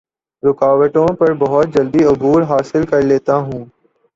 رکاوٹوں پر بہت جلدی عبور حاصل کر لیتا ہوں